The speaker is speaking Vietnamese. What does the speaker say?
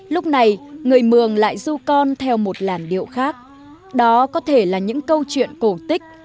lúc này người mường lại du con theo một làn điệu khác đó có thể là những câu chuyện cổ tích